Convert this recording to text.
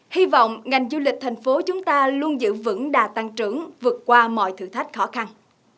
hy vọng ngành du lịch thành phố chúng ta luôn giữ vững đà tăng trưởng vượt qua mọi thử thách khó khăn